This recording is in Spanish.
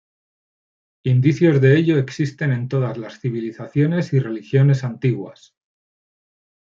Indicios de ello existen en todas las civilizaciones y religiones antiguas.